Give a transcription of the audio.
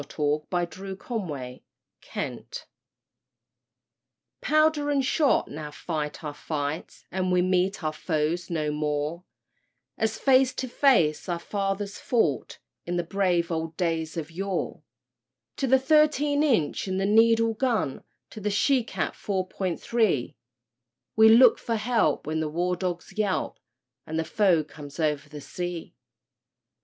THE SONG OF THE OLDEN TIME Powder and shot now fight our fights And we meet our foes no more, As face to face our fathers fought In the brave old days of yore; To the thirteen inch and the needle gun, To the she cat four point three We look for help when the war dogs yelp And the foe comes o'er the sea!